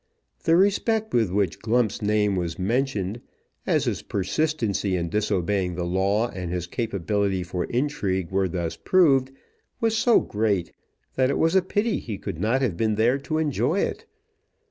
The respect with which Glump's name was mentioned, as his persistency in disobeying the law and his capability for intrigue were thus proved, was so great, that it was a pity he could not have been there to enjoy it.